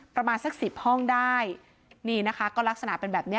ประมาณสักสิบห้องได้นี่นะคะก็ลักษณะเป็นแบบเนี้ย